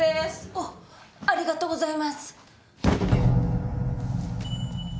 おっありがとうございます。